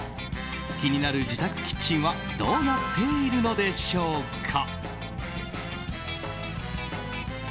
気になる自宅キッチンはどうなっているのでしょうか。